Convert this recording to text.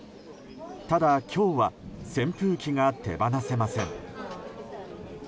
ただ、今日は扇風機が手放せません。